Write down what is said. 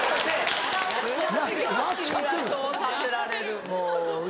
そうさせられるもう。